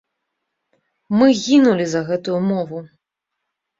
Мы гінулі за гэтую мову.